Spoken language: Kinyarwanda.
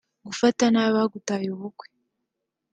Gufata nabi abagutahiye ubukwe